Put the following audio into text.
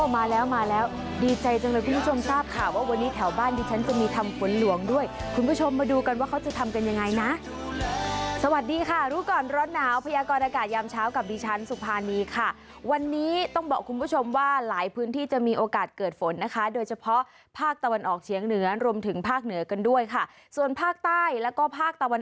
มาแล้วมาแล้วดีใจจังเลยคุณผู้ชมทราบข่าวว่าวันนี้แถวบ้านดิฉันจะมีทำฝนหลวงด้วยคุณผู้ชมมาดูกันว่าเขาจะทำกันยังไงนะสวัสดีค่ะรู้ก่อนร้อนหนาวพยากรอากาศยามเช้ากับดิฉันสุภานีค่ะวันนี้ต้องบอกคุณผู้ชมว่าหลายพื้นที่จะมีโอกาสเกิดฝนนะคะโดยเฉพาะภาคตะวันออกเฉียงเหนือรวมถึงภาคเหนือกันด้วยค่ะส่วนภาคใต้แล้วก็ภาคตะวัน